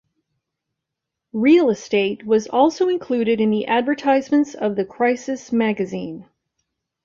Real Estate was also included in the Advertisements of The Crisis magazine.